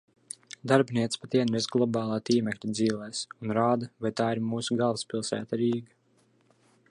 Darbiniece pat ienirst globālā tīmekļa dzīlēs un rāda, vai tā ir mūsu galvaspilsēta Rīga.